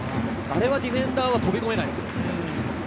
あれはディフェンダーは飛び込めないですよ。